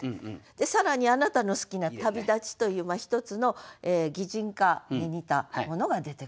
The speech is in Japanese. で更にあなたの好きな「旅立ち」という一つの擬人化に似たものが出てくる。